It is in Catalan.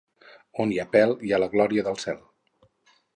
On hi ha pèl hi ha la glòria del cel.